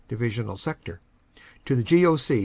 Divisional sector) to the G. O. C.